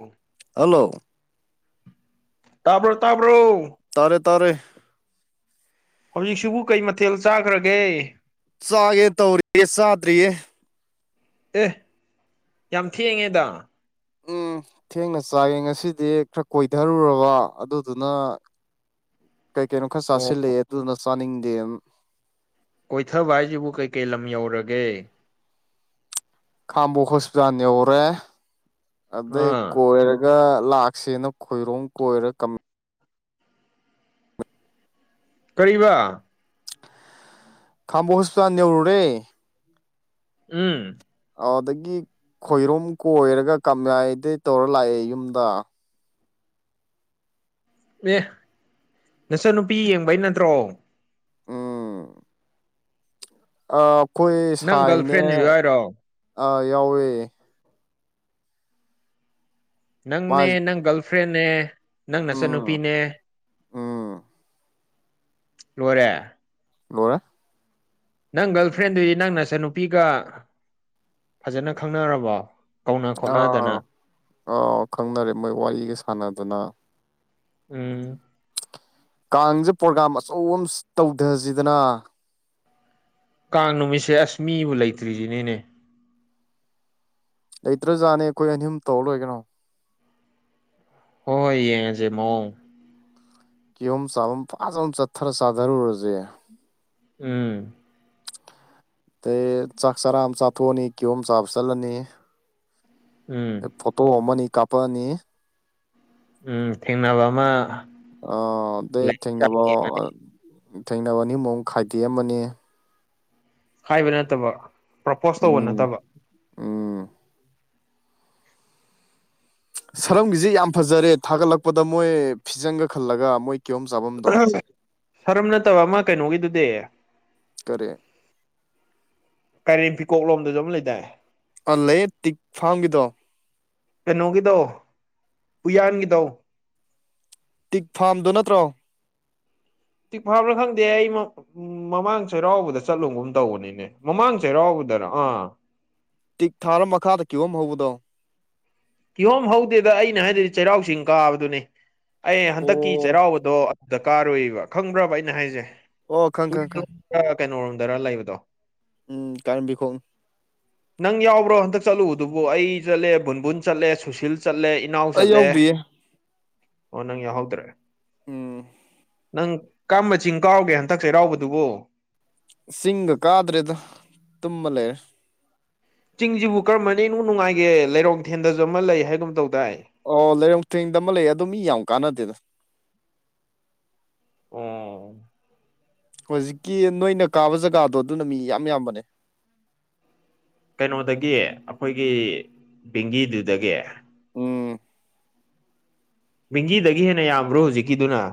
ꯎ [inaudible] ꯍꯜꯂꯣ ꯇꯥꯕꯔꯣ ꯇꯥꯕꯔꯣ ꯇꯥꯔꯦ ꯇꯥꯔꯦ ꯍꯧꯖꯤꯛꯁꯤꯕꯨ ꯀꯩ ꯃꯊꯦꯜ ꯆꯥꯈ꯭ꯔꯒꯦ ꯆꯥꯒꯦ ꯇꯧꯔꯤꯌꯦ ꯆꯥꯗ꯭ꯔꯤꯌꯦ ꯑꯦ ꯌꯥꯝ ꯊꯦꯡꯉꯦꯗ ꯎꯝ ꯊꯦꯡꯅ ꯆꯥꯏꯒꯦ ꯉꯁꯤꯗꯤ ꯈꯔ ꯀꯣꯏꯊꯔꯨꯔꯕ ꯑꯗꯨꯗꯨꯅ ꯀꯩ ꯀꯩꯅꯣ ꯈꯔ ꯑꯣ ꯆꯥꯁꯤꯜꯂꯛꯑꯦ ꯑꯗꯨꯗꯨꯅ ꯆꯥꯅꯤꯡꯗꯦ ꯀꯣꯏꯊꯕ ꯍꯥꯏꯁꯤꯕꯨ ꯀꯩꯀꯩ ꯂꯝ ꯌꯧꯔꯒꯦ ꯈꯝꯕꯣꯛ ꯍꯣꯁꯄꯤꯇꯥꯜ ꯌꯧꯔꯦ ꯑꯗꯩ ꯑꯥ ꯀꯣꯢꯔ ꯂꯥꯛꯁꯦꯅ ꯈꯣꯏꯔꯣꯡ ꯀꯣꯏꯔ ꯀꯔꯤꯕ ꯈꯪꯕꯣꯛ ꯍꯣꯁꯄꯤꯇꯥꯜ ꯌꯧꯔꯨꯔꯦ ꯎꯝ ꯑꯗꯒꯤ ꯈꯣꯏꯔꯨꯝ ꯀꯣꯏꯔꯒ ꯀꯥꯌꯥꯏꯗꯩ ꯇꯧꯔ ꯂꯥꯛꯑꯦ ꯌꯨꯝꯗ ꯑꯦ ꯅꯆꯥꯟ ꯅꯨꯄꯤ ꯌꯦꯡꯕꯩ ꯅꯠꯇ꯭ꯔꯣ ꯥ ꯑꯩꯈꯣꯏ ꯅꯪ ꯒꯔꯜ ꯁꯥꯢꯅꯦ ꯐ꯭ꯔꯦꯟꯁꯨ ꯌꯥꯎꯔꯣ ꯑꯥ ꯌꯥꯎꯌꯦ ꯅꯪꯅꯦ ꯃꯥꯁ ꯅꯪ ꯒꯥꯔꯜ ꯐ꯭ꯔꯦꯟꯅꯦ ꯅꯪ ꯎꯝ ꯅꯆꯟꯅꯨꯄꯤꯅꯦ ꯎꯝ ꯂꯣꯏꯔꯦ ꯅꯣꯢꯔꯦ ꯅꯪ ꯒꯔꯜ ꯐ꯭ꯔꯦꯟꯗꯨꯗꯤ ꯅꯪ ꯅꯆꯥꯟꯅꯨꯄꯤꯒ ꯐꯖꯅ ꯈꯪꯅꯔꯕꯣ ꯀꯧꯅ ꯈꯣꯠꯅꯗꯅ ꯑꯥ ꯈꯪꯅꯔꯦ ꯃꯣꯏ ꯋꯥꯔꯤꯒ ꯁꯥꯟꯅꯗꯅ ꯎꯝ ꯀꯥꯡꯁꯦ ꯄ꯭ꯔꯣꯒꯔꯝ ꯑꯆꯧꯕ ꯇꯧꯊꯁꯤꯗꯅ ꯀꯥꯡ ꯅꯨꯃꯤꯠꯁꯦ ꯑꯁ ꯃꯤꯕꯨ ꯂꯩꯇ꯭ꯔꯤꯁꯤꯅꯤꯅꯦ ꯂꯩꯇ꯭ꯔꯖꯥꯠꯅꯦ ꯑꯩꯈꯣꯏ ꯑꯅꯤ ꯑꯍꯨꯝ ꯇꯧꯔ ꯂꯣꯏꯔꯦ ꯀꯩꯅꯣ ꯍꯣꯏ ꯍꯣꯏ ꯌꯦꯡꯉꯁꯦ ꯃꯑꯣꯡ ꯀꯤꯌꯣꯝ ꯆꯥꯕꯝ ꯐꯥꯖ ꯑꯃ ꯆꯠꯊꯔ ꯆꯥꯊꯔꯨꯔꯁꯦ ꯎꯝ ꯑꯗꯩ ꯆꯥꯛ ꯆꯔꯥ ꯑꯃ ꯆꯥꯊꯣꯛꯑꯅꯤ ꯀꯤꯌꯣꯝ ꯆꯥꯕ ꯆꯠꯂꯅꯤ ꯎꯝ ꯐꯣꯇꯣ ꯑꯃꯃꯅꯤ ꯀꯥꯞꯄꯛꯑꯅꯤ ꯎꯝ ꯊꯦꯡꯅꯕ ꯑꯃ ꯑ ꯑꯗꯩ ꯂꯩ ꯊꯦꯡꯅꯕ ꯊꯦꯡꯅꯕ ꯑꯅꯤꯃꯨꯛ ꯑꯃꯛ ꯈꯥꯏꯗꯦꯛ ꯑꯃꯅꯤ ꯍꯥꯏꯕ ꯅꯠꯇꯕ ꯄ꯭ꯔꯣꯄꯣꯁ ꯇꯧꯕ ꯎꯝ ꯅꯠꯇꯕ ꯎꯝ ꯁꯔꯪꯒꯤꯁꯦ ꯌꯥꯝ ꯐꯖꯔꯦ ꯊꯥꯒꯠꯂꯛꯄꯗ ꯃꯣꯏ ꯐꯤꯖꯪꯒ ꯈꯜꯂꯒ ꯃꯣꯏ ꯀꯤꯍꯣꯝ ꯆꯥꯐꯝꯗꯣ ꯁꯔꯝ ꯅꯠꯇꯕ ꯑꯃ ꯀꯩꯅꯣꯒꯤꯗꯨꯗꯤ ꯀꯔꯤ ꯀꯩꯔꯦꯝ ꯐꯤꯀꯣꯛ ꯂꯣꯝꯗꯁꯨ ꯑꯃ ꯂꯩꯗꯥꯢ ꯑ ꯂꯩꯌꯦ ꯇꯤꯛ ꯐꯥꯝꯒꯤꯗꯣ ꯀꯩꯅꯣꯒꯤꯗꯣ ꯎꯌꯥꯟꯒꯤꯗꯣ ꯇꯤꯛ ꯐꯥꯝꯗꯨ ꯅꯠꯇ꯭ꯔꯣ ꯇꯤꯛ ꯐꯥꯝꯔ ꯈꯪꯗꯦ ꯑꯩ ꯎꯝ ꯃꯃꯥꯡ ꯆꯩꯔꯥꯎꯕꯗ ꯆꯠꯂꯨꯒꯨꯝ ꯇꯧꯕꯅꯤꯅꯦ ꯃꯃꯥꯡ ꯆꯩꯔꯥꯎꯕꯗꯔ ꯑꯥ ꯇꯤꯛ ꯊꯥꯔ ꯃꯈꯥꯗ ꯀꯤꯌꯣꯝ ꯍꯧꯕꯗꯣ ꯀꯤꯍꯣꯝ ꯍꯧꯗꯦꯗ ꯑꯩꯅ ꯍꯥꯏꯗꯨꯗꯤ ꯆꯩꯔꯥꯎ ꯆꯤꯡ ꯀꯥꯕꯗꯨꯅꯦ ꯑꯩ ꯍꯟꯗꯛꯀꯤ ꯑꯣ ꯆꯩꯔꯥꯎꯕꯗꯣ ꯗ ꯀꯥꯔꯨꯢꯕ ꯈꯪꯕ꯭ꯔꯕ ꯑꯩꯅ ꯍꯥꯏꯁꯦ ꯑꯣ ꯈꯪ ꯀꯨ ꯈꯪ ꯈꯪ ꯀꯩꯅꯔꯣꯝꯗꯔ ꯂꯩꯕꯗꯣ ꯎꯝ ꯀꯔꯝꯕꯤꯈꯣꯡ [inaudible] ꯅꯪ ꯌꯥꯎꯕ꯭ꯔꯣ ꯍꯟꯇꯛ ꯆꯠꯂꯨꯗꯨꯕꯨ ꯑꯩ ꯆꯠꯂꯦ ꯕꯨꯨꯟꯕꯨꯟ ꯆꯠꯂꯦ ꯁꯨꯁꯤꯜ ꯆꯠꯂꯦ ꯏꯅꯥꯎ ꯑꯩ ꯆꯠꯂꯦ ꯌꯥꯎꯗ꯭ꯔꯤꯌꯦ ꯑꯣ ꯅꯪ ꯌꯥꯎꯍꯧꯗ꯭ꯔꯦ ꯎꯝ ꯅꯪ ꯀꯔꯝꯕ ꯆꯤꯡ ꯀꯥꯔꯨꯒꯦ ꯍꯟꯗꯛ ꯆꯩꯔꯥꯎꯕꯗꯨꯕꯣ ꯆꯤꯡꯒ ꯀꯥꯗ꯭ꯔ‌ꯦꯗ ꯇꯨꯝꯃ ꯂꯩꯔ‌ꯦ ꯆꯤꯡꯁꯤꯕꯨ ꯀꯔꯝꯕꯅ ꯏꯅꯨꯡ ꯅꯨꯡꯉꯥꯏꯒꯦ ꯂꯩꯔꯣꯡ ꯊꯦꯟꯗꯁꯨ ꯑꯃ ꯂꯩ ꯍꯥꯏꯒꯨꯝ ꯇꯧꯗꯥꯏ ꯑꯣ ꯂꯩꯔꯣꯡꯊꯦꯡꯗ ꯑꯃ ꯂꯩ ꯑꯗ‌ꯣ ꯃꯤ ꯌꯥꯝ ꯀꯥꯟꯅꯗꯦꯗ ꯑꯣ ꯍꯧꯖꯤꯛꯀꯤ ꯅꯣꯏꯅ ꯀꯥꯕ ꯖꯒꯥꯗꯣ ꯑꯗꯨꯅ ꯃꯤ ꯏꯌꯥꯝ ꯌꯥꯝꯕꯅꯦ ꯀꯩꯅꯣꯗꯒꯤ ꯑꯩꯈꯣꯏꯒꯤ ꯕꯦꯡꯒꯤꯗꯨꯗꯒꯤ ꯎꯝ ꯕ‌ꯦꯡꯒꯤꯗꯒꯤ ꯍꯦꯟꯅ ꯌꯥꯝꯕ꯭ꯔꯣ ꯍꯧꯖꯤꯛꯀꯤꯗꯨꯅ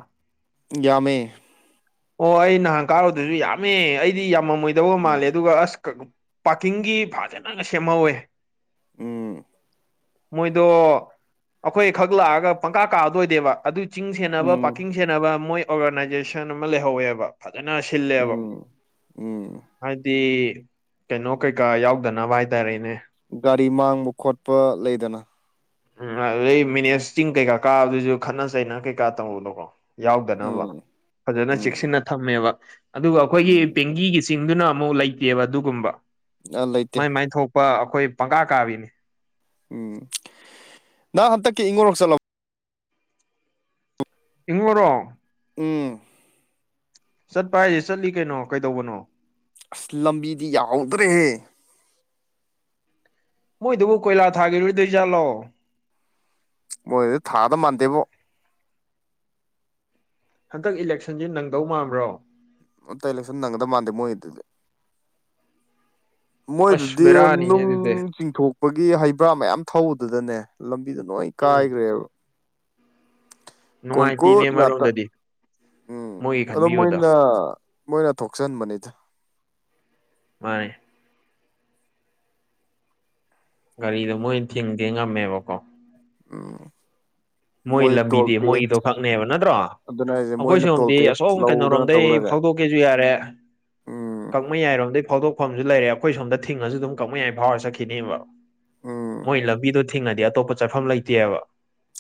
ꯌꯥꯝꯃꯦ ꯑꯣ ꯑꯩ ꯅꯍꯥꯟ ꯀꯥꯔꯨꯗꯁꯨ ꯌꯥꯝꯃꯦ ꯑꯩꯗꯤ ꯌꯥꯝꯃꯝꯃꯣꯏꯗꯕ ꯎꯝ ꯃꯥꯜꯂꯦ ꯑꯗꯨꯒ ꯑꯁ ꯄꯥꯔꯀꯤꯡꯒꯤ ꯐꯖꯅꯒ ꯁꯦꯝꯍꯧꯋꯦ ꯎꯝ ꯃꯣꯏꯗꯣ ꯑꯩꯈꯣꯏꯈꯛ ꯂꯥꯛꯑꯒ ꯄꯪꯀꯥ ꯀꯥꯕꯗꯣ ꯑꯣꯏꯗꯦꯕ ꯑꯗꯨꯏ ꯆꯤꯡ ꯁꯦꯟꯅꯕ ꯎꯝ ꯄꯥꯔꯀꯤꯡ ꯁꯦꯟꯅꯕ ꯃꯣꯏ ꯑꯣꯔꯒꯅꯥꯏꯖꯦꯁꯟ ꯑꯃ ꯂꯩꯍꯧꯋꯦꯕ ꯐꯖꯅ ꯁꯤꯜꯂꯦꯕ ꯎꯝ ꯎꯝ ꯍꯥꯏꯗꯤ ꯀꯩꯅꯣ ꯀꯩꯀꯥ ꯌꯥꯎꯗꯅꯕ ꯍꯥꯏꯇꯥꯔꯦꯅꯦ ꯒꯥꯔꯤ ꯃꯥꯡꯕ ꯈꯣꯠꯄ ꯂꯩꯗꯅ ꯎꯝ ꯑꯗꯨꯗꯩ ꯃꯦꯅꯦꯖ ꯆꯤꯡ ꯀꯩꯀꯥ ꯀꯥꯕꯗꯨꯁꯨ ꯈꯠꯅ ꯆꯩꯅ ꯀꯩꯀꯥ ꯇꯧꯕꯗ‌ꯣꯀꯣ ꯌꯥꯎꯗꯅꯕ ꯎꯝ ꯐꯖꯅ ꯎꯝ ꯆꯦꯛꯁꯤꯟꯅ ꯊꯝꯃꯦꯕ ꯑꯗꯨꯒ ꯑꯩꯈꯣꯏꯒꯤ ꯎꯝ ꯕ‌ꯦꯡꯒꯤꯒꯤ ꯆꯤꯡꯗꯨꯅ ꯑꯃꯨꯛ ꯂꯩꯇꯦꯕ ꯑꯗꯨꯒꯨꯝꯕ ꯑ ꯂꯩꯇꯦ ꯃꯥꯏ ꯃꯥꯏ ꯊꯣꯛꯄ ꯑꯩꯈꯣꯏ ꯄꯪꯀꯥ ꯀꯥꯕꯤꯅꯤ ꯎꯝ ꯅꯪ ꯍꯟꯇꯛꯀꯤ ꯏꯪꯉꯨꯔꯣꯛ ꯆꯠꯂ ꯏꯪꯉꯨꯔꯣ ꯎꯝ ꯆꯠꯄ ꯍꯥꯏꯁꯦ ꯆꯠꯂꯤ ꯀꯩꯅꯣ ꯀꯩꯗꯧꯕꯅꯣ ꯑꯁ ꯂꯝꯕꯤꯗꯤ ꯌꯥꯍꯧꯗ꯭ꯔꯦꯍꯦ ꯃꯣꯏꯗꯨꯕꯨ ꯀꯣꯏꯂꯥ ꯊꯥꯈꯤꯔꯣꯏꯗꯣꯏꯖꯥꯠꯂꯣ ꯃꯣꯏꯗ‌ꯣ ꯊꯥꯗꯧ ꯃꯟꯗꯦꯕꯣ ꯍꯟꯗꯛ ꯏꯂꯦꯛꯁꯟꯁ‌ꯦ ꯅꯪꯗꯧ ꯃꯟꯕ꯭ꯔꯣ ꯍꯟꯗꯛ ꯏꯂꯦꯛꯁꯟ ꯅꯪꯒꯗꯕ ꯃꯥꯟꯗꯦ ꯃꯣꯏꯒꯤꯗꯨ ꯑꯁ ꯃꯣꯏꯗꯨꯗꯤ ꯕꯦꯔꯥꯅꯤꯅꯦ ꯅꯨꯡ ꯑꯗꯨꯗꯤ ꯆꯤꯡꯊꯣꯛꯄꯒꯤ ꯍꯩꯕ꯭ꯔꯥ ꯃꯌꯥꯝ ꯊꯧꯕꯗꯨꯗꯅꯦ ꯂꯝꯕꯤꯗꯨ ꯅꯣꯏ ꯎꯝ ꯀꯥꯏꯈ꯭ꯔꯦꯕ ꯀꯣꯡꯒꯨꯠ ꯅꯨꯡꯉꯥꯏꯇꯦꯅꯦ ꯉꯥꯛꯇ ꯑꯃꯔꯣꯝꯗꯗꯤ ꯎꯝ ꯃꯣꯏꯒꯤ ꯑꯗꯣ ꯈꯟꯕꯤꯕꯗꯣ ꯃꯣꯏꯅ ꯃꯣꯏꯅ ꯊꯣꯛꯆꯟꯕꯅꯤꯗ ꯃꯥꯅꯤ ꯒꯥꯔꯤꯗꯣ ꯃꯣꯏꯅ ꯊꯤꯡꯒꯦ ꯉꯝꯃꯦꯕꯀꯣ ꯎꯝ ꯃꯣꯏ ꯇꯣꯜ ꯂꯝꯕꯤꯗꯤ ꯇꯦꯛꯁ ꯃꯣꯏꯒꯤꯗꯣ ꯈꯛꯅꯦꯕ ꯅꯠꯇ꯭ꯔꯣ ꯑꯗꯨꯅ ꯍꯥꯏꯁꯦ ꯑꯩꯈꯣꯏ ꯃꯣꯏꯅ ꯇꯣꯜ ꯁ‌ꯣꯝꯗꯤ ꯑꯁꯣꯝ ꯇꯦꯛꯁ ꯂꯧꯗꯅ ꯀꯩꯅꯣꯔꯣꯝꯗꯩ ꯇꯧ ꯂꯩꯔꯦ ꯐꯧꯗꯣꯛꯀꯦꯁꯨ ꯌꯥꯔꯦ ꯎꯝ ꯀꯛꯃꯩꯌꯥꯏ ꯔꯣꯝꯗꯒꯤ ꯐꯥꯎꯗꯣꯛꯐꯝꯁꯨ ꯂꯩꯔꯦ ꯑꯩꯈꯣꯏ ꯁꯣꯝꯗ ꯊꯤꯡꯉꯁꯨ ꯑꯗꯨꯝ ꯀꯛꯃꯩꯌꯥꯏ ꯐꯥꯎꯔ ꯆꯠꯈꯤꯅꯦꯕ ꯎꯝ ꯃꯣꯏ ꯂꯝꯕꯤꯗꯣ ꯊꯤꯡꯉꯗꯤ ꯑꯇꯣꯞꯄ ꯆꯠꯐꯝ ꯂꯩꯇꯦꯕ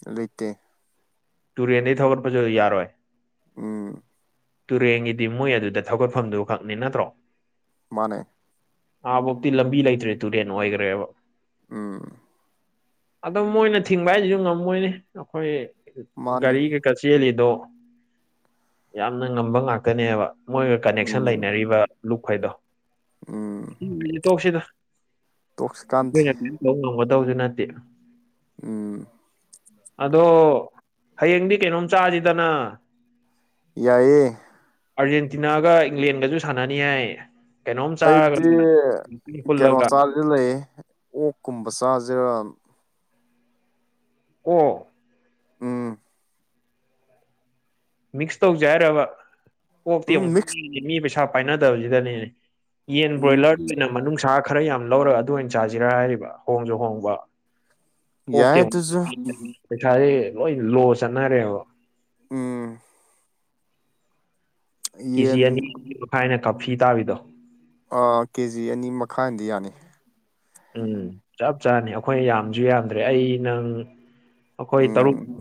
ꯂꯩꯇꯦ ꯇꯨꯔꯦꯟꯗꯒꯤ ꯊꯧꯒꯠꯄꯁꯨ ꯌꯥꯔꯣꯏ ꯎꯝ ꯇꯨꯔꯦꯟꯒꯤꯗꯤ ꯃꯣꯏ ꯑꯗꯨꯗ ꯊꯧꯒꯠꯐꯝꯗꯨ ꯈꯛꯅꯤ ꯅꯠꯇ꯭ꯔꯣ ꯃꯥꯅꯦ ꯑꯥ ꯕꯧꯇꯤ ꯂꯝꯕꯤ ꯂꯩꯇ꯭ꯔꯦ ꯇꯨꯔꯦꯟ ꯑꯣꯏꯈ꯭ꯔꯦꯕ ꯑꯥ ꯑꯗ‌ꯣ ꯃꯣꯏꯅ ꯊꯤꯡꯕ ꯍꯥꯏꯁꯤꯁꯨ ꯉꯝꯃ‌ꯣꯏꯅ‌ꯦ ꯑꯩꯈꯣꯏ ꯃꯥꯅꯤ ꯒꯥꯔꯤ ꯀ ꯆꯦꯜꯂꯤꯗꯣ ꯌꯥꯝꯅ ꯉꯝꯕ ꯉꯥꯛꯇꯅꯦꯕ ꯃꯣꯏꯒ ꯀꯅꯦꯛꯁꯟ ꯎꯝ ꯂꯩꯅꯔꯤꯕ ꯂꯨꯞꯈꯩꯗꯣ ꯎꯝ ꯁꯤ ꯋꯥꯔꯤ ꯇꯣꯛꯁꯤꯗ ꯇꯣꯛꯁꯤꯀꯥꯟꯗꯦ ꯑꯩꯈꯣꯏꯅ ꯀꯔꯤꯝ ꯇꯧ ꯉꯝꯒ ꯇꯧꯁꯨ ꯅꯠꯇꯦ ꯎꯝ ꯑꯗꯣ ꯍꯌꯦꯡꯗꯤ ꯀꯩꯅꯣꯝ ꯆꯥꯁꯤꯗꯅ ꯌꯥꯏꯌꯦ ꯑꯥꯔꯖꯦꯟꯇꯤꯅꯥꯒ ꯏꯪꯂꯦꯟꯒꯁꯨ ꯁꯥꯟꯅꯅꯤ ꯍꯥꯏ ꯀꯩꯅꯣꯝ ꯆꯥꯔꯒ ꯍꯨꯜꯂꯒ ꯁꯤ ꯂꯩ ꯑꯣꯛꯀꯨꯝꯕ ꯆꯥꯁꯤꯔ ꯑꯣ ꯎꯝ ꯃꯤꯛꯁ ꯇꯧꯖꯦ ꯍꯥꯏꯔꯕ ꯑꯣꯛꯇꯤ ꯎꯝ ꯑꯃꯨꯛ ꯃꯤꯛꯁ ꯃꯤ ꯄꯩꯁꯥ ꯄꯥꯏꯅꯗꯕꯁꯤꯗꯅꯦꯅꯦ ꯌꯦꯟ ꯕ꯭ꯔꯣꯏꯂꯔ ꯑꯣꯏꯅ ꯃꯅꯨꯡꯅꯨꯡꯁꯥ ꯈꯔ ꯌꯥꯝ ꯂꯧꯔꯒ ꯑꯗꯨ ꯑꯣꯏꯅ ꯆꯥꯁꯤꯔ ꯍꯥꯏꯔꯤꯕ ꯍꯣꯡꯁꯨ ꯍꯣꯡꯕ ꯑꯣꯛꯇꯤ ꯌꯥꯏ ꯑꯗꯨꯁꯨ ꯑꯃꯨ ꯄꯩꯁꯥꯁꯦ ꯂꯣꯏ ꯂꯣ ꯆꯠꯅꯔꯦꯕ ꯎꯝ ꯀꯦꯖꯤ ꯑꯅꯤ ꯌꯦꯟ ꯃꯈꯥꯏꯅ ꯀꯥꯞꯐꯤ ꯇꯥꯕꯤꯗꯣ ꯀꯦꯖꯤ ꯑꯅꯤ ꯃꯈꯥꯏꯗꯤ ꯌꯥꯅꯤ ꯎꯝ ꯆꯞ ꯆꯥꯅꯤ ꯑꯩꯈꯣꯏ ꯌꯥꯝꯁꯨ ꯌꯥꯝꯗ꯭ꯔꯦ ꯑꯩ ꯅꯪ ꯑꯩꯈꯣꯏ ꯇꯔꯨꯛ ꯎꯝ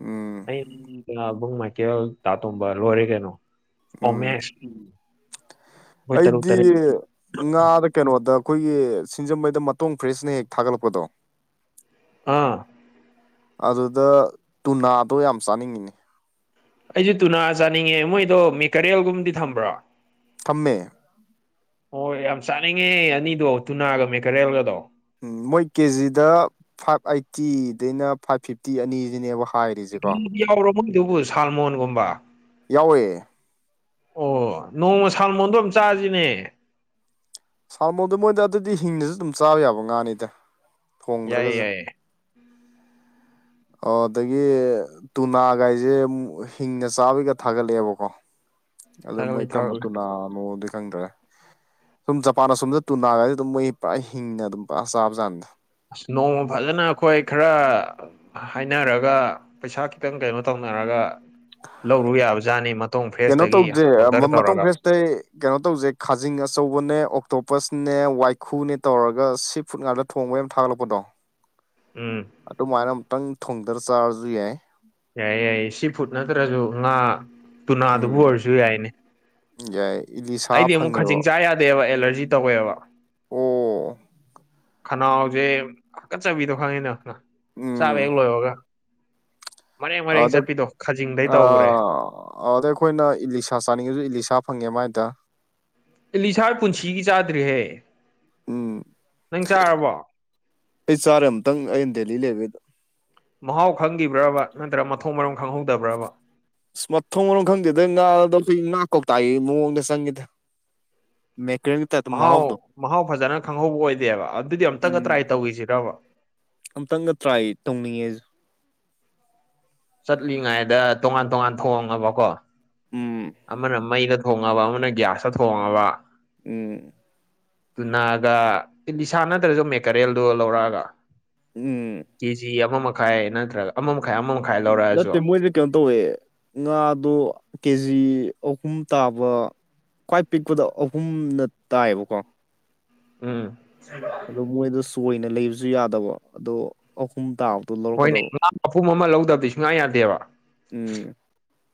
ꯎꯝ ꯕꯨꯡ ꯃꯥꯏꯀꯦꯜ ꯇꯥꯇꯣꯝꯕ ꯂꯣꯏꯔꯦ ꯀꯩꯅꯣ ꯎꯝ ꯑꯣꯃꯦꯁ ꯇꯔꯨꯛ ꯑꯩꯗꯤ ꯇꯔꯦꯠ ꯉꯥꯗ ꯀꯩꯅꯣꯗ ꯑꯩꯈꯣꯏꯒꯤ ꯁꯤꯡꯖꯃꯩꯗ ꯃꯇꯣꯡ ꯐ꯭ꯔꯦꯁꯅ ꯍꯦꯛ ꯊꯥꯒꯠꯂꯛꯄꯗꯣ ꯑꯥ ꯑꯗꯨꯗ ꯇꯨꯅꯥꯗꯣ ꯌꯥꯝ ꯆꯥꯅꯤꯡꯉꯤꯅꯦ ꯑꯩꯁꯨ ꯇꯨꯅꯥ ꯆꯥꯅꯤꯡꯉꯦ ꯃꯣꯏꯗꯣ ꯃꯦꯀꯔꯤꯦꯜꯒꯨꯝꯕꯗꯤ ꯊꯝꯕ꯭ꯔꯣ ꯊꯝꯃꯦ ꯑꯣꯣꯏ ꯌꯥꯝ ꯆꯥꯅꯤꯡꯉꯦ ꯑꯅꯤꯗꯣ ꯇꯨꯅꯥꯒ ꯃꯦꯀꯔꯦꯜꯒꯗꯣ ꯎꯝ ꯃꯣꯏ ꯀꯦꯖꯤꯗ ꯐꯥꯏꯚ ꯑꯥꯏꯠꯇꯤꯗꯩꯅ ꯐꯥꯏꯚ ꯐꯤꯞꯇꯤ ꯑꯅꯤꯁꯤꯅꯦꯕ ꯍꯥꯏꯔꯤꯁꯦꯀꯣ ꯌꯥꯎꯔꯣ ꯃꯣꯏꯗꯨꯕꯨ ꯁꯜ ꯃꯣꯟꯒꯨꯝꯕ ꯌꯥꯎꯋꯦ ꯑꯣ ꯅꯣꯡꯃ ꯁꯥꯡ ꯃꯣꯟꯗꯣ ꯑꯃ ꯆꯥꯁꯤꯅꯦ ꯁꯥꯔꯃꯣꯟꯗꯣ ꯃꯣꯏꯗ ꯑꯗꯨꯗꯤ ꯍꯤꯡꯗꯁꯨ ꯑꯗꯨꯝ ꯆꯥꯕ ꯌꯥꯕ ꯉꯥꯅꯤꯗ ꯌꯥꯏꯌꯦ ꯊꯣꯡꯗ꯭ꯔꯒꯁꯨ ꯌꯥꯏꯌꯦ ꯑꯣ ꯑꯗꯒꯤ ꯇꯨꯅꯥꯒꯥꯏꯁꯦ ꯑꯃꯛ ꯍꯤꯡꯅ ꯆꯥꯕꯩꯒ ꯊꯥꯒꯠꯂꯛꯑꯦꯕꯀꯣ ꯑꯗꯨ ꯊꯥꯒꯠꯂꯤ ꯃꯣꯏ ꯀꯔꯝꯕ ꯊꯥꯒꯠꯂꯤ ꯇꯨꯅꯥꯅꯣꯗꯤ ꯈꯪꯗ꯭ꯔꯦ ꯁꯨꯝ ꯖꯄꯥꯟꯗ ꯁꯣꯝꯗ ꯇꯨ ꯅꯥꯒꯗꯤ ꯑꯗꯨꯝ ꯃꯣꯏ ꯄꯨꯔꯥ ꯍꯤꯡꯅ ꯑꯗꯨꯝ ꯄꯨꯔꯥ ꯆꯥꯕꯖꯥꯟꯗ ꯑꯁ ꯅꯣꯡꯃ ꯐꯖꯅ ꯑꯩꯈꯣꯏ ꯈꯔ ꯍꯥꯏꯅꯔꯒ ꯄꯩꯁꯥ ꯈꯤꯇꯪ ꯀꯩꯅꯣ ꯇꯧꯅꯔꯒ ꯂꯧꯔꯨ ꯌꯥꯕꯖꯥꯠꯅꯤ ꯃꯇꯨꯡ ꯐ꯭ꯔꯦꯁꯇꯒꯤ ꯑꯣꯗꯔ ꯇꯧꯔꯒ ꯑꯇꯩ ꯀꯩꯅꯣ ꯇꯧꯖꯦ ꯈꯥꯖꯤꯡ ꯑꯆꯧꯕꯅꯦ ꯑꯣꯛꯇꯣꯄꯁꯅꯦ ꯋꯥꯏꯈꯨꯅꯦ ꯇꯧꯔꯒ ꯁꯤ ꯐꯨꯠ ꯉꯥꯔꯗ ꯊꯣꯡꯕꯩ ꯌꯥꯝ ꯊꯥꯒꯠꯂꯛꯄꯗꯣ ꯎꯝ ꯑꯗꯨꯃꯥꯏꯅ ꯑꯃꯨꯛꯇꯪ ꯊꯨꯡꯗꯔ ꯆꯥꯔꯁꯨ ꯌꯥꯏ ꯌꯥꯏꯌꯦ ꯌꯥꯏ ꯁꯤ ꯐꯨꯠ ꯅꯠꯇ꯭ꯔꯁꯨ ꯉꯥ ꯇꯨꯅꯥꯗꯨꯕꯨ ꯎꯝ ꯑꯣꯏꯔꯁꯨ ꯌꯥꯏꯅꯦ ꯌꯥꯏ ꯏꯗꯤ ꯁꯥ ꯐꯪꯉꯦꯕꯣ ꯐꯠꯇꯦꯕ ꯑꯦꯂꯔꯖꯤ ꯇꯧꯋꯦꯕ ꯑꯣ ꯈꯅꯥꯎꯁꯦꯀꯠꯆꯕꯤꯗꯣ ꯈꯪꯉꯤꯗ ꯆꯥꯕ ꯎꯝ ꯍꯦꯛ ꯂꯣꯏꯔꯒ ꯑ ꯑꯗꯨ ꯈꯖꯤꯡꯗꯩ ꯑ ꯇꯧꯈ꯭ꯔꯦ ꯑ ꯑꯗꯩ ꯑꯩꯈꯣꯏꯅ ꯏꯂꯤꯁꯥ ꯆꯥꯅꯤꯡꯉꯁꯨ ꯏꯂꯤꯁꯥ ꯐꯪꯉꯦ ꯃꯥꯏꯗ ꯏꯂꯤꯁꯥ ꯄꯨꯟꯁꯤꯒꯤ ꯆꯥꯗ꯭ꯔꯤꯍꯦ ꯎꯝ ꯅꯪ ꯆꯥꯔꯕꯣ ꯑꯩ ꯆꯥꯔꯦ ꯑꯝꯇꯪ ꯑꯩꯅ ꯗꯦꯜꯂꯤ ꯂꯩꯕꯩꯗꯣ ꯃꯍꯥꯎ ꯈꯪꯒꯤꯕ꯭ꯔꯕ ꯅꯠꯇ꯭ꯔ ꯃꯊꯣꯡ ꯃꯔꯝ ꯈꯪꯍꯧꯗꯕ꯭ꯔꯕ ꯑ ꯃꯊꯣꯡ ꯃꯔꯝ ꯈꯪꯗꯦꯗꯩ ꯉꯥ ꯉ ꯀꯧꯇ ꯃꯑꯣꯡꯗ ꯆꯪꯈꯤꯗ ꯃꯦꯀ ꯇ ꯃꯍꯥꯎ ꯃꯍꯥꯎ ꯐꯖꯅ ꯈꯪꯍꯧꯕ ꯑꯣꯏꯗꯦꯕ ꯑꯗꯨꯗꯤ ꯑꯃꯝꯇꯪꯒ ꯎꯝ ꯇ꯭ꯔꯥꯏ ꯇꯧꯈꯤꯁꯤꯔꯕ ꯑꯝꯇꯪꯒ ꯇ꯭ꯔꯥꯏ ꯇꯧꯅꯤꯡꯉꯦ ꯆꯠꯂꯤꯉꯩꯗ ꯇꯣꯉꯥꯟ ꯇꯣꯉꯥꯟ ꯊꯣꯡꯉꯕꯀꯣ ꯎꯝ ꯑꯃꯅ ꯃꯩꯗ ꯊꯣꯉꯕ ꯑꯃꯅ ꯒ꯭ꯌꯥꯁꯇ ꯊꯣꯡꯉꯕ ꯎ ꯇꯨꯅꯥꯒ ꯂꯤꯁꯥ ꯅꯠꯇ꯭ꯔꯁꯨ ꯃꯦꯀꯔꯤꯌꯦꯜꯗꯣ ꯂꯧꯔꯛꯑꯒ ꯎꯝ ꯀꯦꯖꯤ ꯑꯃ ꯃꯈꯥꯏ ꯅꯠꯇ꯭ꯔꯒ ꯑꯃ ꯃꯈꯥꯏ ꯑꯃꯥꯏ ꯅꯠꯇꯦ ꯃꯣꯏꯁꯤꯗꯤ ꯀꯩꯅꯣ ꯇꯧꯋꯦ ꯉꯥꯗꯣ ꯀꯦ ꯖꯤ ꯑꯍꯨꯝ ꯇꯥꯕ ꯈ꯭ꯋꯥꯏ ꯄꯤꯛꯄꯗ ꯑꯍꯨꯝꯅ ꯇꯥꯏꯌꯦꯕꯀꯣ ꯎꯝ ꯑꯗꯣ ꯃꯣꯏꯗꯣ ꯆꯣꯏꯅ ꯂꯩꯕꯁꯨ ꯌꯥꯗꯕ ꯑꯗꯣ ꯑꯍꯨꯝ ꯇꯥ ꯍꯣꯏꯅꯦ ꯉꯥ ꯃꯄꯨꯝ ꯑꯃ ꯂꯧꯗꯕꯗꯤ ꯁꯨꯡꯉꯥꯏ ꯌꯥꯗꯦꯕ ꯎꯝ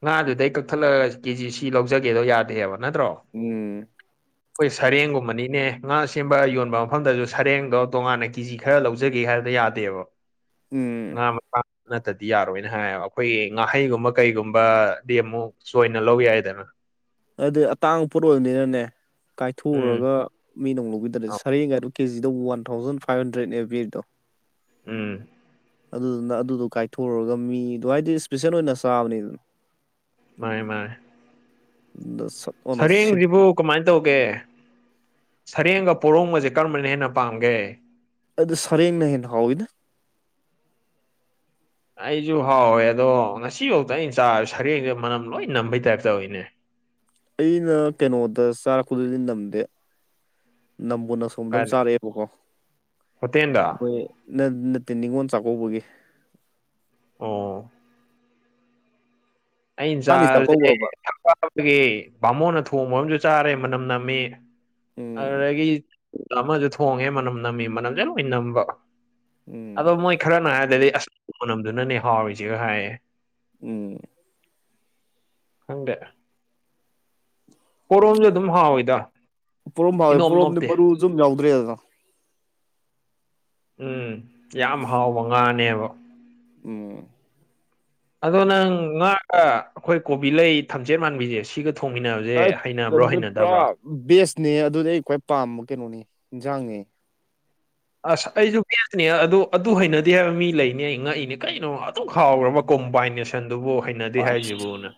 ꯉꯥꯗꯨꯗꯩ ꯀꯛꯊꯠꯂꯒ ꯀꯦꯖꯤ ꯁꯤ ꯂꯧꯖꯒꯦꯗꯣ ꯌꯥꯗꯦꯕ ꯅꯠꯇ꯭ꯔꯣ ꯎꯝ ꯑꯩꯈꯣꯏ ꯁꯔꯦꯡꯒꯨꯝꯕꯅꯤꯅꯦ ꯉꯥ ꯁꯦꯝꯕ ꯌꯣꯟꯕ ꯃꯐꯝꯗꯁꯨ ꯁꯔꯦꯡꯗꯣ ꯇꯣꯉꯥꯟꯅ ꯀꯤꯖꯤ ꯈꯔ ꯂꯧꯖꯒꯦ ꯍꯥꯏꯕꯗ ꯌꯥꯗꯦꯕ ꯎꯝ ꯃꯄꯥ ꯅꯠꯇꯗꯤ ꯌꯥꯔꯣꯏꯅ ꯍꯥꯏꯌꯦꯕ ꯑꯩꯈꯣꯏꯒꯤ ꯉꯥꯍꯩꯒꯨꯝꯕ ꯀꯩꯒꯨꯝꯕꯗꯤ ꯑꯃꯨꯛ ꯁꯣꯏꯅ ꯂꯧ ꯌꯥꯏꯗꯅ ꯑꯗꯨꯗꯤ ꯑꯇꯥꯡꯕ ꯄꯣꯠ ꯑꯣꯏꯕꯅꯤꯅꯅꯦ ꯎꯝ ꯀꯥꯏꯊꯣꯛꯎꯔꯒ ꯃꯤꯗꯧ ꯂꯧꯕꯤꯗ꯭ꯔꯦ ꯑꯧ ꯁꯔꯦꯡꯒꯥꯏꯗꯨ ꯀꯦꯖꯤꯗꯕꯨ ꯋꯥꯟ ꯊꯥꯎꯖꯟ ꯐꯥꯏꯚ ꯍꯟꯗ꯭ꯔꯦꯠꯅꯦꯕ ꯄꯕꯤꯔꯤꯗꯣ ꯎꯝ ꯑꯗꯨꯗꯨꯅ ꯑꯗꯨꯗꯣ ꯀꯥꯏꯊꯣꯔꯨꯔꯒ ꯃꯤꯗꯨꯣ ꯍꯥꯏꯗꯤ ꯏꯁꯄꯤꯁꯦꯜ ꯑꯣꯏꯅ ꯆꯥꯕꯅꯦ ꯑꯗꯨꯅ ꯃꯥꯅꯦ ꯃꯥꯥꯏ ꯗ ꯁꯔꯦꯡ ꯔꯤꯔꯤꯕꯣꯛ ꯀꯃꯥꯏꯅ ꯇꯧꯒꯦ ꯁꯔꯦꯡꯒ ꯄꯣꯔꯣꯡꯒꯁꯦ ꯀꯔꯝꯕꯅ ꯍꯦꯟꯅ ꯄꯥꯝꯒꯦ ꯑꯗꯨ ꯁꯔꯦꯡꯅ ꯍꯦꯟꯅ ꯍꯥꯎꯋꯤꯗ ꯑꯩꯁꯨ ꯍꯥꯎꯋꯦ ꯑꯗꯣ ꯉꯁꯤꯐꯥꯎꯗ ꯑꯩꯅ ꯆꯥꯔ ꯁꯔꯦꯡꯁ ꯃꯅꯝ ꯂꯣꯏ ꯅꯝꯕꯩ ꯇꯥꯏꯞ ꯇꯧꯋꯤꯅꯦ ꯑꯩꯅ ꯀꯩꯅꯣꯗ ꯆꯥꯔꯛꯄꯗꯤꯗꯤ ꯅꯝꯗꯦ ꯅꯝꯕꯨ ꯅ ꯁꯣꯝꯗ ꯑꯃ ꯀꯥꯏꯗ ꯆꯥꯔꯛꯑꯦꯕꯀꯣ ꯍꯣꯇꯦꯜꯗ ꯑꯩꯣꯏ ꯅꯠꯇꯦ ꯅꯤꯉꯣꯜ ꯆꯥꯛꯀꯧꯕꯒꯤ ꯑ ꯑꯩ ꯃꯥꯅꯤ ꯆꯥꯛꯀꯧꯕꯕ ꯑꯗꯨꯒꯤ ꯕꯥꯃꯣꯟꯅ ꯊꯣꯡꯕꯝꯨ ꯆꯥꯔꯦ ꯃꯅꯝ ꯅꯝꯃꯤ ꯎꯝ ꯑꯗꯨꯗꯒꯤ ꯑꯃꯁꯨ ꯊꯣꯡꯉꯦ ꯃꯅꯝ ꯅꯝꯃꯤ ꯃꯅꯝꯁꯦ ꯂꯣꯏ ꯅꯝꯕ ꯑꯗꯣ ꯎꯝ ꯃꯣꯏ ꯈꯔꯅ ꯍꯥꯏꯔꯗꯗꯤ ꯑꯁ ꯃꯅꯝꯗꯨꯅꯅꯦ ꯍꯥꯎꯔꯤꯁꯤꯒ ꯍꯥꯏꯌꯦ ꯎꯝ ꯍꯪꯗꯦ ꯀꯣꯔꯣꯔꯣꯝꯁꯨ ꯑꯗꯨꯝ ꯍꯥꯎꯋꯤꯗ ꯄꯣꯔꯣꯝ ꯐꯥꯎꯋꯦ ꯏꯅꯣꯞ ꯄꯣꯔꯣꯝꯗꯤ ꯅꯣꯞꯇꯦ ꯃꯔꯨꯁꯨ ꯑꯗꯨꯝ ꯌꯥꯎꯗ꯭ꯔꯦꯗꯅ ꯎꯝ ꯌꯥꯝ ꯍꯥꯎꯕ ꯉꯥꯅꯦꯕ ꯎꯝ ꯑꯗꯣ ꯅꯪ ꯉꯥꯒ ꯑꯩꯈꯣꯏ ꯀꯣꯕꯤ ꯂꯩ ꯊꯝꯖꯦꯠ ꯃꯥꯟꯕꯤꯁꯦ ꯁꯤꯒ ꯊꯣꯡꯃꯤꯟꯅꯕꯁꯦ ꯑꯁ ꯍꯩꯅꯕ꯭ꯔꯣ ꯑꯗꯨ ꯄꯨꯔꯥ ꯍꯩꯅꯗꯕ꯭ꯔꯣ ꯕꯦꯁꯅꯦ ꯑꯗꯨꯗꯤ ꯑꯩ ꯈ꯭ꯋꯥꯏ ꯄꯥꯝꯕ ꯀꯩꯅꯣꯅꯦ ꯏꯟꯁꯥꯡꯅꯦ ꯑꯁ ꯑꯩꯁꯨ [unintelligible] ꯑꯗꯨ ꯑꯗꯨ ꯍꯩꯅꯗꯦ ꯍꯥꯏꯕ ꯃꯤ ꯂꯩꯅꯤ ꯑꯩ ꯉꯛ ꯏꯅꯦ ꯀꯩꯅꯣ ꯑꯗꯨ ꯍꯥꯎꯈ꯭ꯔꯕ ꯀꯣꯝꯕꯥꯏꯅꯦꯁꯟꯗꯨꯕꯨ ꯍꯩꯅꯗꯦ ꯑꯁ ꯍꯥꯏꯁꯤꯕꯨꯅ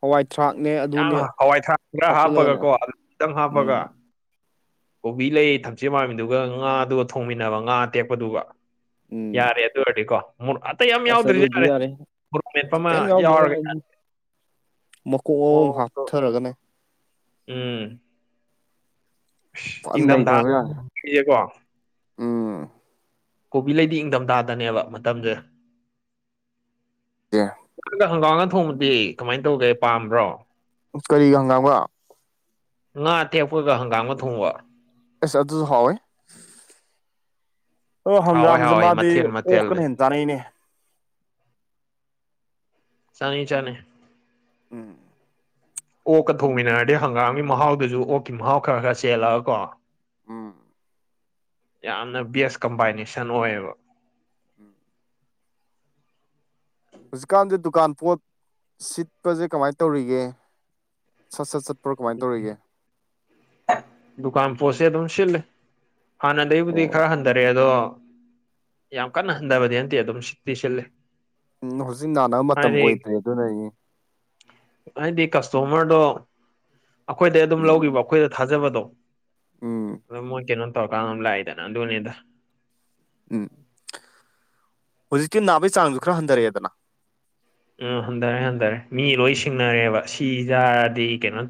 ꯍꯋꯥꯏ ꯊ꯭ꯔꯥꯛꯅꯦ ꯌꯥꯝ ꯑꯗꯨꯅꯦ ꯍꯋꯥꯏꯊ꯭ꯔꯥꯛ ꯈꯔ ꯍꯥꯞꯆꯤꯜꯂꯒꯅꯦ ꯍꯥꯞꯄꯒꯀꯣ ꯑꯂꯨ ꯈꯤꯇꯪ ꯍꯥꯞꯄꯒ ꯎꯝ ꯀꯣꯕꯤ ꯂꯩ ꯊꯝꯆꯦꯠ ꯃꯥꯟꯕꯤꯗꯨꯒ ꯉꯥꯗꯨꯒ ꯊꯣꯡꯃꯤꯟꯅꯕ ꯉꯥ ꯑꯇꯦꯛꯄꯗꯨꯒ ꯎꯝ ꯌꯥꯔꯦ ꯑꯗꯨꯔꯗꯤ ꯀꯣ ꯃꯤꯔꯣꯛ ꯑꯇꯩ ꯑꯥꯝ ꯑꯁ ꯌꯥꯎꯗ꯭ꯔꯥꯁꯨ ꯑꯗꯨꯗꯤ ꯌꯥꯔꯦ ꯃꯣꯔꯣꯛ ꯃꯦꯠꯄ ꯑꯃ ꯀꯩꯝ ꯌꯥꯎꯗ꯭ꯔꯁꯨ ꯌꯥꯎꯔꯒ ꯑꯗꯨ ꯌꯥꯔꯦ ꯃꯀꯣꯛ ꯑꯍꯨꯝ ꯍꯥꯞꯊꯔꯒꯅꯦ ꯎꯝ ꯐꯖꯅ ꯅꯩꯗꯕ ꯏꯪꯊꯝꯊꯥꯁꯦꯀꯣ ꯌꯥꯔꯦ ꯎꯝ ꯀꯣꯕꯤ ꯂꯩꯗꯤ ꯏꯪꯗꯝꯗꯥꯗꯅꯦꯕ ꯃꯇꯝꯁꯦ ꯖꯦ [unintelligible] ꯍꯪꯒꯥꯝꯒ ꯊꯣꯡꯕꯗꯤ ꯀꯃꯥꯏꯅ ꯇꯧꯒꯦ ꯄꯥꯝꯕ꯭ꯔꯣ ꯀꯔꯤꯒ ꯍꯪꯒꯥꯥꯝꯒ ꯉꯥ ꯑꯇꯦꯛꯄꯒ ꯍꯪꯒꯥꯝꯒ ꯊꯣꯡꯕ ꯏꯁ ꯑꯗꯨꯁꯨ ꯍꯥꯎꯋꯦ ꯑꯗꯣ ꯍꯥꯎꯋꯦ ꯍꯪꯒꯥꯝꯁꯦ ꯍꯥꯎꯋꯦ ꯃꯥꯗꯤ ꯃꯊꯦꯜ ꯃꯊꯦꯜꯅꯤ ꯑꯣꯛꯀꯅ ꯍꯦꯟꯅ ꯆꯥꯅꯩꯅꯦ ꯆꯅꯩ ꯆꯅꯩ ꯎꯝ ꯑꯣꯛꯀ ꯊꯣꯡꯃꯤꯟꯅꯔꯗꯤ ꯍꯪꯒꯥꯝꯒꯤ ꯃꯍꯥꯎꯗꯨꯁꯨ ꯑꯣꯛꯀꯤ ꯃꯍꯥꯎ ꯈꯔ ꯈꯔ ꯆꯦꯜꯂꯒ ꯀꯣ ꯎꯝ ꯌꯥꯝꯅ ꯕꯦꯁ ꯀꯝꯕꯥꯏꯅꯦꯁꯟ ꯑꯣꯏꯌꯦꯕ ꯎꯝ ꯍꯧꯖꯤꯛꯀꯥꯟꯗꯤ ꯗꯨꯀꯥꯟ ꯄꯣꯠ ꯁꯤꯠꯄꯖꯦ ꯀꯃꯥꯏ ꯇꯧꯔꯤꯒꯦ ꯁꯠ ꯁꯠ ꯁꯠ ꯗꯨꯀꯥꯟ ꯄꯣꯠꯁꯦ ꯑꯗꯨꯝ ꯁꯤꯠꯂꯤ ꯍꯥꯟꯅꯗꯩꯕꯨꯗꯤ ꯑꯣ ꯈꯔ ꯍꯟꯊꯔꯦ ꯑꯗꯣ ꯌꯥꯝ ꯀꯟꯅ ꯍꯟꯊꯕꯗꯤ ꯅꯟꯇꯦ ꯑꯗꯨꯝ ꯁꯤꯠꯇꯤ ꯁꯤꯠꯂꯤ ꯎꯝ ꯍꯧꯖꯤꯛ ꯅꯥꯟꯅꯕ ꯃꯇꯝ ꯑꯣꯏꯗ꯭ꯔꯤ ꯑꯗꯨꯅ ꯅꯤꯅꯦ ꯍꯥꯏꯗꯤ ꯀꯁꯇꯣꯃꯔꯗꯣ ꯑꯩꯈꯣꯏꯗꯩ ꯑꯗꯨꯝ ꯎꯝ ꯂꯧꯒꯤꯕ ꯑꯩꯈꯣꯏꯗ ꯊꯥꯖꯕꯗꯣ ꯎꯝ ꯑꯗꯨ ꯃꯣꯏ ꯀꯩꯅꯣ ꯇꯧꯔ ꯀꯥꯟꯗ ꯑꯗꯨꯝ ꯂꯥꯛꯢ ꯗꯅ ꯑꯗꯨꯅꯤꯗ ꯎꯝ ꯍꯧꯖꯤꯛꯇꯤ ꯅꯥꯕꯩ ꯆꯥꯡꯁꯨ ꯈꯔ ꯍꯟꯊꯔꯛꯑꯦꯗꯅ ꯎꯝ ꯍꯟꯊꯔꯦ ꯍꯟꯊꯔꯦ ꯃꯤ ꯂꯣꯏ ꯁꯤꯡꯅꯔꯦꯕ ꯁꯤ ꯆꯥꯔꯗꯤ ꯀꯩꯅꯣ